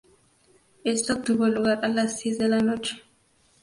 Esto tuvo lugar a las diez de la noche.